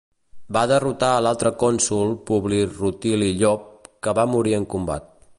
Va derrotar a l'altre cònsol Publi Rutili Llop que va morir en combat.